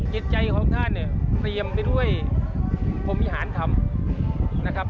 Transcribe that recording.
เย็นใจของท่านเตรียมไปด้วยพรหมิหารคำนะครับ